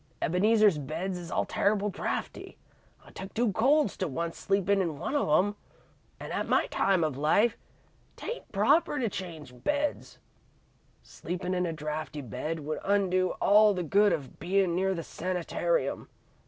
Ebeneezer's beds is all terrible drafty I took two colds to once sleepin' in one of 'em an' at my time of life 't ain't proper to change beds. Sleepin' in a drafty bed would undo all the good of bein' near the sanitarium.